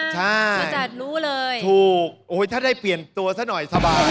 ใช่ถูกถ้าได้เปลี่ยนตัวซะหน่อยสะบาด